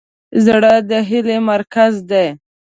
زړه د هیلې مرکز دی.